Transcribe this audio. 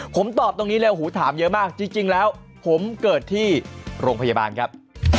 ผมตอบตรงนี้เลยหูถามเยอะมากจริงแล้วผมเกิดที่โรงพยาบาลครับ